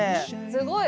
すごい！